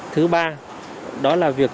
thứ ba đó là việc